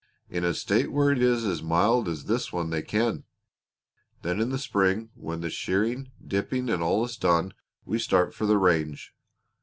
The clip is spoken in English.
"In a state where it is as mild as this one they can. Then in the spring when the shearing, dipping, and all is done, we start for the range.